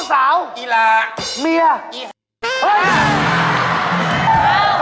อย่างพ่อที่เรียก